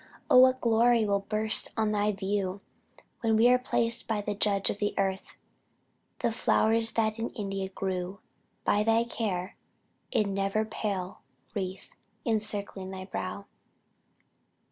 O what glory will burst on thy view When are placed by the Judge of the earth, The flowers that in India grew By thy care, in the never pale wreath Encircling thy brow!